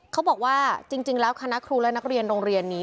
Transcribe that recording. เขาบอกว่าจริงแล้วคณะครูและนักเรียนโรงเรียนนี้